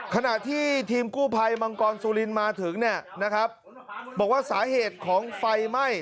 ขณะที่ทีมกู้ภัยมังกรสุรินมาถึงเนี่ยนะครับบอกว่าสาเหตุของไฟไหม้